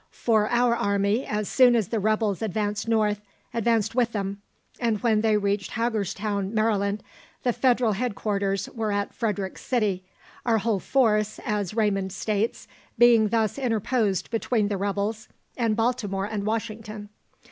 For our army, as soon as the rebels advanced north, advanced with them, and when they reached Hagerstown, Maryland, the Federal headquarters were at Frederick City, our whole force, as Raymond states, being thus interposed between the rebels and Baltimore and Washington.